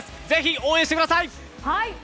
ぜひ、応援してください。